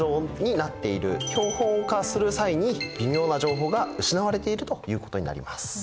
標本化する際に微妙な情報が失われているということになります。